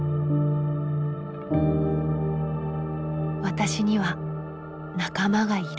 「私には仲間がいる」。